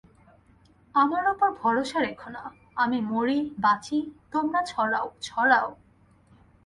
আমার উপর ভরসা রেখো না, আমি মরি বাঁচি, তোমরা ছড়াও, ছড়াও।